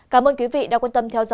cảm ơn quý vị đã quan tâm theo dõi